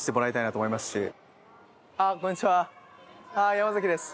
山崎です。